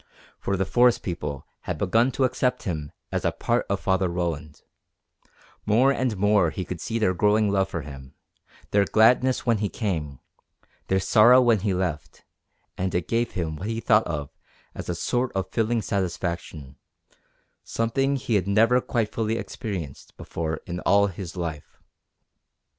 For the forest people had begun to accept him as a part of Father Roland; more and more he could see their growing love for him, their gladness when he came, their sorrow when he left, and it gave him what he thought of as a sort of filling satisfaction, something he had never quite fully experienced before in all his life.